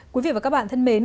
quý vị và các bạn thân mến